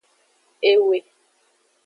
Ewe.